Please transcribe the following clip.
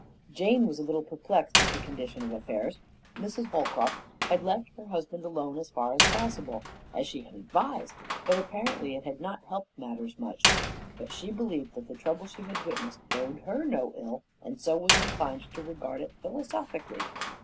Jane was a little perplexed at the condition of affairs. Mrs. Holcroft had left her husband alone as far as possible, as she had advised, but apparently it had not helped matters much. But she believed that the trouble she had witnessed bode her no ill and so was inclined to regard it philosophically.